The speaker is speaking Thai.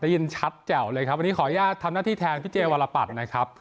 ได้ยินชัดแจ่วเลยครับวันนี้ขออนุญาตทำหน้าที่แทนพี่เจวรปัตย์นะครับ